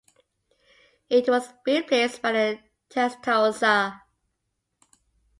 It was replaced by the Testarossa.